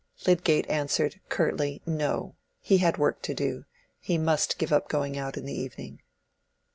Lydgate answered curtly, no—he had work to do—he must give up going out in the evening.